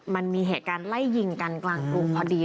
มันมีเหตุการณ์ไล่ยิงกันกลางกรุงพอดี